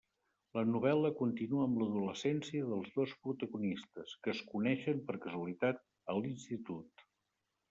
La novel·la continua amb l'adolescència dels dos protagonistes, que es coneixen per casualitat a l'institut.